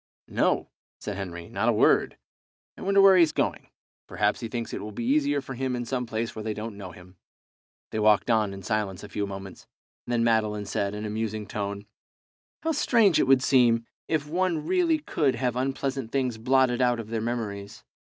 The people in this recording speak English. "No," said Henry, "not a word. Wonder where he's going. Perhaps he thinks it will be easier for him in some place where they don't know him." They walked on in silence a few moments, and then Madeline said, in a musing tone "How strange it would seem if one really could have unpleasant things blotted out of their memories!